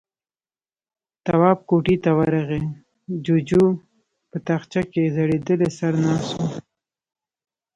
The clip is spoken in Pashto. تواب کوټې ته ورغی، جُوجُو په تاخچه کې ځړېدلی سر ناست و.